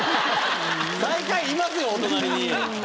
最下位いますよお隣に。